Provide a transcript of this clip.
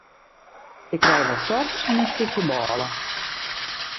Ik krij wat sop en in stikje bôle.